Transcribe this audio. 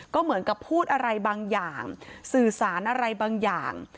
ก็เหมือนกับพูดอะไรบางอย่างสื่อสารอะไรบางอย่าง